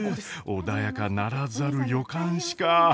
穏やかならざる予感しか。